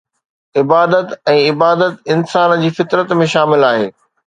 عبادت ۽ عبادت انسان جي فطرت ۾ شامل آهي